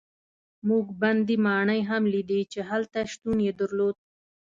موږ بندي ماڼۍ هم لیدې چې هلته شتون یې درلود.